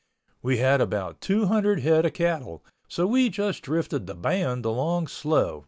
We had about 200 head of cattle, so we just drifted the band along slow.